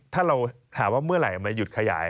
ถ้าเราถามว่าเมื่อไหร่มาหยุดขยาย